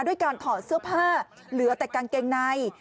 ด้วยการถอดเสื้อผ้าเหลือแต่กางเกงใน